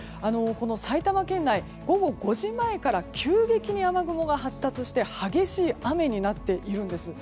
埼玉県内、午後５時前から急激に雨雲が発達して激しい雨になっているんです。